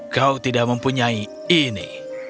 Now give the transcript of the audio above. kau tidak mempunyai ini